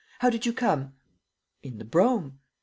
How did you come?" "In the brougham."